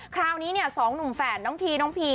คราวนี้๒หนุ่มแฝนน้องทีน้องพี